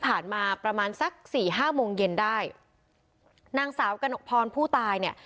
มาประมาณสักสี่ห้าโมงเย็นได้นางสาวกระหนกพรผู้ตายเนี่ย